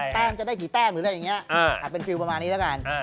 แต้มจะได้กี่แต้มหรืออะไรอย่างนี้หักเป็นฟิลประมาณนี้แล้วกัน